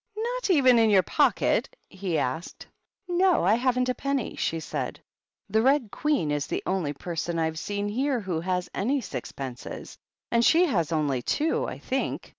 "Not even in your pocket?" he asked. "No; I haven't a penny," she said. "The Red Queen is the only person I've seen here who has any sixpences, and she has only two, I think.